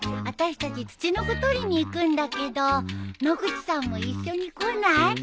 あたしたちツチノコ捕りに行くんだけど野口さんも一緒に来ない？